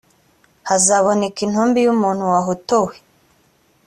hazaboneka intumbi y’umuntu wahotowe.